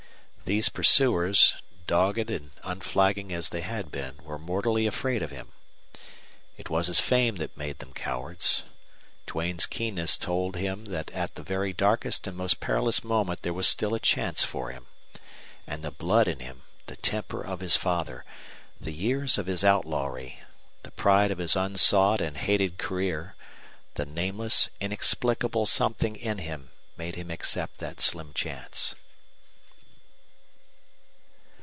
These pursuers, dogged and unflagging as they had been, were mortally afraid of him. It was his fame that made them cowards. Duane's keenness told him that at the very darkest and most perilous moment there was still a chance for him. And the blood in him, the temper of his father, the years of his outlawry, the pride of his unsought and hated career, the nameless, inexplicable something in him made him accept that slim chance.